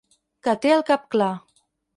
Que té el cap clar.